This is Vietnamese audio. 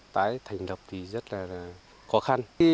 tại thành lập thì rất là khó khăn